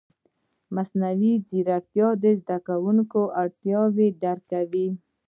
مصنوعي ځیرکتیا د زده کوونکو اړتیاوې درک کوي.